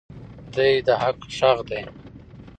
دی د حق غږ دی.